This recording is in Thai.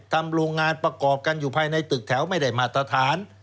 โรงงานประกอบกันอยู่ภายในตึกแถวไม่ได้มาตรฐาน